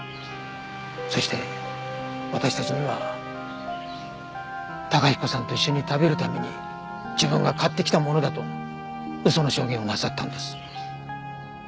そして私たちには崇彦さんと一緒に食べるために自分が買ってきたものだと嘘の証言をなさったんです。